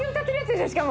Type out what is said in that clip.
しかも。